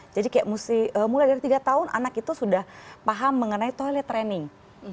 jadi mulai dari tiga tahun anak itu sudah paham mengenai toilet training